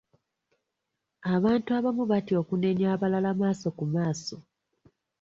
Abantu abamu batya okunenya abalala maaso ku maaso.